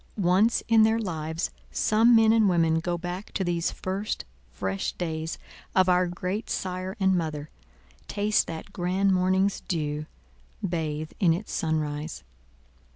Once in their lives some men and women go back to these first fresh days of our great Sire and Mother—taste that grand morning's dew—bathe in its sunrise.